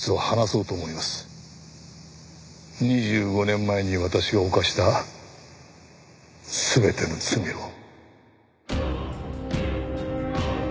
２５年前に私が犯した全ての罪を。